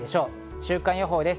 週間予報です。